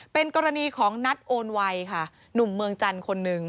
เป็นกรณีของนัดโอนไวค่ะหนุ่มเมืองจันทร์คนหนึ่ง